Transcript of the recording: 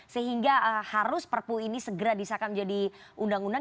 sehingga harus perpu ini segera disakam jadi undang undang